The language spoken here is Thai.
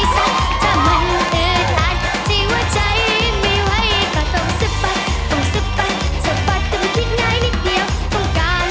ชัดชัดชัดชัดถ้ามันอืดอาดที่หัวใจไม่ไหวก็ต้องสะปัด